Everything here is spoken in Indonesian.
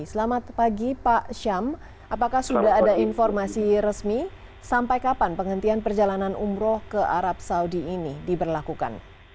selamat pagi pak syam apakah sudah ada informasi resmi sampai kapan penghentian perjalanan umroh ke arab saudi ini diberlakukan